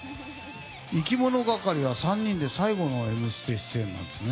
いきものがかりは３人で最後の「Ｍステ」出演なんですね。